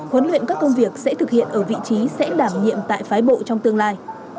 huấn luyện các công việc sẽ thực hiện ở vị trí sẽ đảm nhiệm tại phái bộ trong tương lai